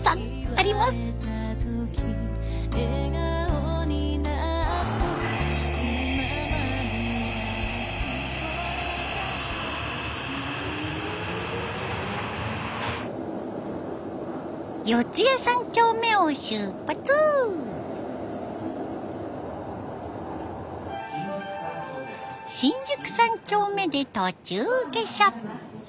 新宿三丁目で途中下車。